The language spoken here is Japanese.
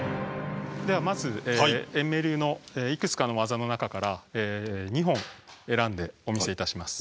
ではまず円明流のいくつかの技の中から２本選んでお見せいたします。